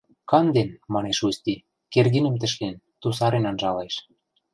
— Канден, — манеш Усти, Кердинӹм тӹшлен, тусарен анжалеш.